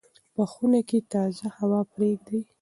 په خونه کې تازه هوا پرېږدئ.